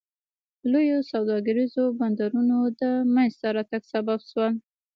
لویو سوداګریزو بندرونو د منځته راتګ سبب شول.